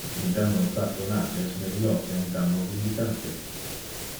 Un damno pardonate es melior que un damno vindicate.